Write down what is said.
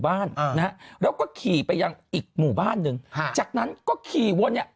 บ้านนะฮะแล้วก็ขี่ไปยังอีกหมู่บ้านหนึ่งฮะจากนั้นก็ขี่วนเนี่ย